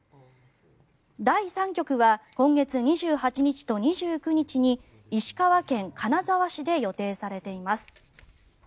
第３局は今月２８日と２９日に石川県金沢市で予定されています。